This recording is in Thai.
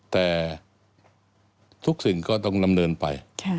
แต่ทุกสิ่งก็ต้องดำเนินไป